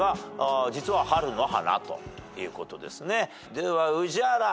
では宇治原。